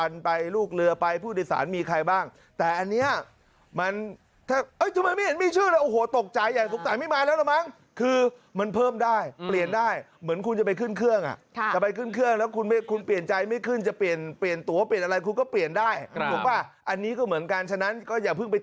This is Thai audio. แล้วตรงนั้นเนี้ยคาดว่าน่าจะเป็นจุดจอดนะครับเครื่องบินเจ็ตของของไดรักษี